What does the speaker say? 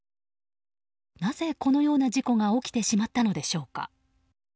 なぜ、このような事故が起きてしまったのでしょうか。